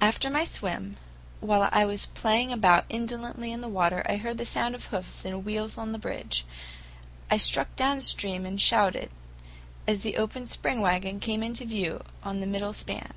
After my swim, while I was playing about indolently in the water, I heard the sound of hoofs and wheels on the bridge. I struck downstream and shouted, as the open spring wagon came into view on the middle span.